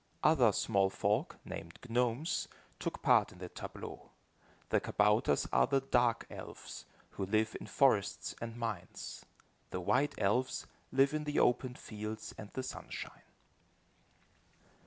Other small folk, named gnomes, took part in the tableaux. The kabouters are the dark elves, who live in forests and mines. The white elves live in the open fields and the sunshine.